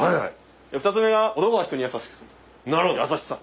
２つ目が男は人に優しくする優しさ。